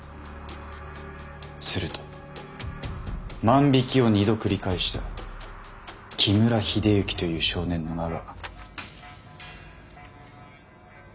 すると万引きを２度繰り返した木村英之という少年の名が。